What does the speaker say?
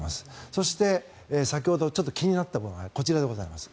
そして、先ほど気になったものがこちらでございます。